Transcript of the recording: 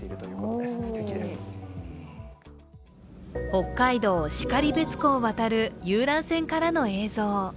北海道・然別湖を渡る遊覧船からの映像。